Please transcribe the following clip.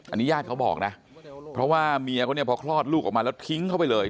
อันนี้ญาติเขาบอกนะเพราะว่าเมียเขาเนี่ยพอคลอดลูกออกมาแล้วทิ้งเข้าไปเลย